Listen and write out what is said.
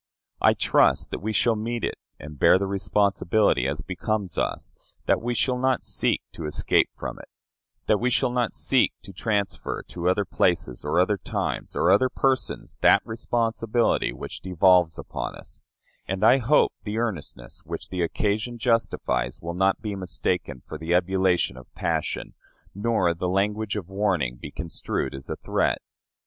I trust that we shall meet it, and bear the responsibility as becomes us; that we shall not seek to escape from it; that we shall not seek to transfer to other places, or other times, or other persons, that responsibility which devolves upon us; and I hope the earnestness which the occasion justifies will not be mistaken for the ebullition of passion, nor the language of warning be construed as a threat.